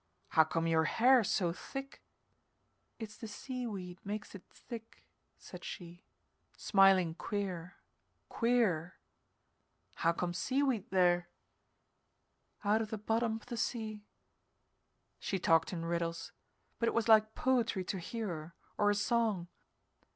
"How come your hair so thick?" "It's the seaweed makes it thick," said she smiling queer, queer. "How come seaweed there?" "Out of the bottom of the sea." She talked in riddles, but it was like poetry to hear her, or a song.